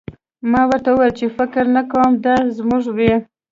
ما ورته وویل چې فکر نه کوم دا زموږ وي